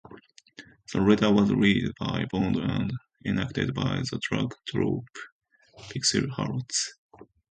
The letter was read by Bond and enacted by the drag troupe Pixie Harlots.